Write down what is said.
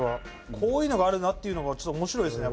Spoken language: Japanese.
こういうのがあるなっていうのがちょっと面白いですね